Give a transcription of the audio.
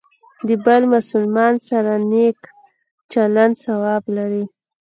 د بل مسلمان سره نیک چلند ثواب لري.